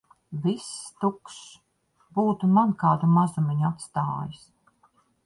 Viss tukšs. Būtu man kādu mazumiņu atstājis!